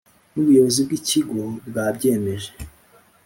n’ ubuyobozi bw’ ikigo bwabyemeje